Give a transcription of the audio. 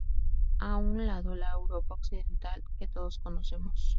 A un lado, la europa occidental que todos conocemos.